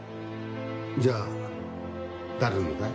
じゃあ誰のだい？